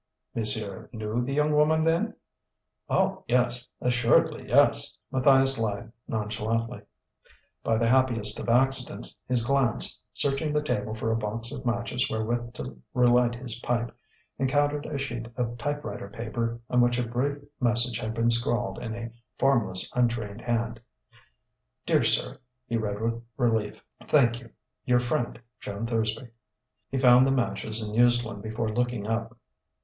"Monsieur knew the young woman, then?" "Oh, yes; assuredly yes," Matthias lied nonchalantly. By the happiest of accidents, his glance, searching the table for a box of matches wherewith to relight his pipe, encountered a sheet of typewriter paper on which a brief message had been scrawled in a formless, untrained hand: "Dear Sir," he read with relief, "thank you Your friend, Joan Thursby." He found the matches and used one before looking up.